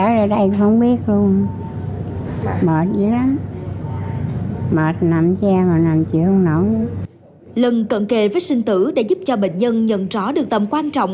lần cận kề với sinh tử đã giúp cho bệnh nhân nhận rõ được tầm quan trọng